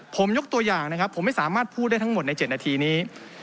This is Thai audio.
ผมยกตัวอย่างนะครับผมไม่สามารถพูดได้ทั้งหมดใน๗นาทีนี้